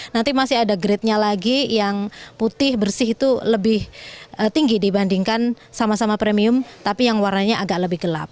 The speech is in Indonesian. nanti masih ada gridnya lagi yang putih bersih itu lebih tinggi dibandingkan sama sama premium tapi yang warnanya agak lebih gelap